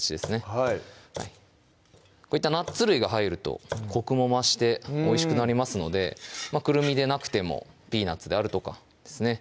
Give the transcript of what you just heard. はいこういったナッツ類が入るとコクも増しておいしくなりますのでくるみでなくてもピーナツであるとかですね